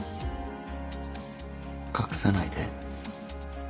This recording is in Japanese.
隠さないで。